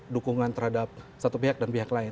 dukungan terhadap satu pihak dan pihak lain